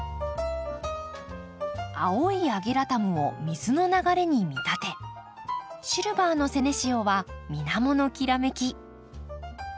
青いアゲラタムを水の流れに見立てシルバーのセネシオは水面のきらめき。